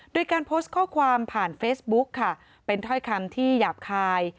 โดยการโพสต์ข้อความผ่านเฟซบุ๊กค่ะเป็นถ้อยคำที่หยาบคาย